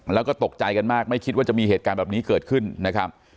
แล้วก็ตกใจกันมากไม่คิดว่าจะมีเหตุการณ์แบบนี้เกิดขึ้นนะครับ